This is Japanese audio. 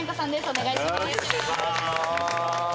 お願いします。